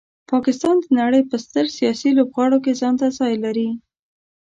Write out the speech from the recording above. پاکستان د نړۍ په ستر سیاسي لوبغاړو کې ځانته ځای لري.